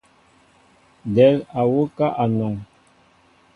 Del á wuká anɔn.